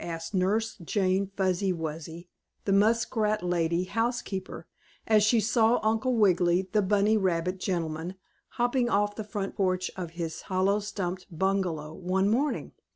asked Nurse Jane Fuzzy Wuzzy, the muskrat lady housekeeper, as she saw Uncle Wiggily, the bunny rabbit gentleman, hopping off the front porch of his hollow stump bungalow one morning.